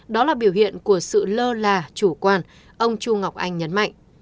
đó là biểu hiện của sự lơ là chủ quan ông chu ngọc anh nhấn mạnh